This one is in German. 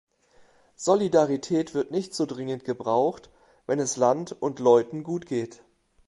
Solidarität wird nicht so dringend gebraucht, wenn es Land und Leuten gut geht.